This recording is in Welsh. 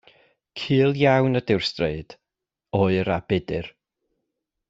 Cul iawn ydyw'r ystryd, oer a budr.